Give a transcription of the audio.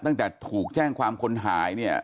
ตั้งแต่ถูกแจ้งความคนหายเนี่ย